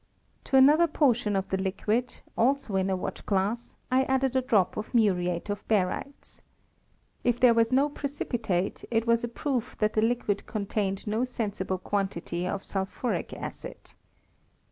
To another portion of the liquid, also in a watch glass, I added a drop of muriate of barytes. If there was no precipitate it was a proof that the liquid contained no sensible quantity of sulphuric acid.